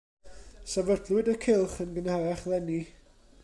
Sefydlwyd y cylch yn gynharach 'leni.